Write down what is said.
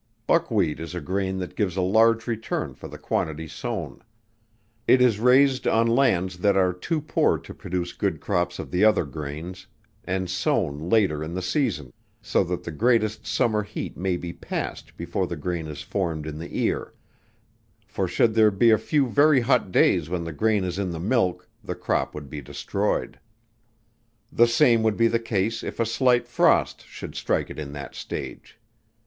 Buckwheat is a grain that gives a large return for the quantity sown. It is raised on lands that are too poor to produce good crops of the other grains, and sown later in the season, so that the greatest summer heat may be past before the grain is formed in the ear; for should there be a few very hot days when the grain is in the milk, the crop would be destroyed. The same would be the case, if a slight frost should strike it in that stage.